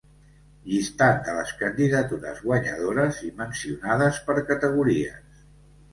Llistat de les candidatures guanyadores i mencionades per categories.